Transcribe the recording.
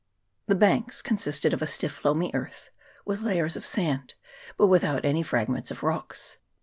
The banks consisted of a stiff loamy earth, with layers of sand, but without any fragments of rocks.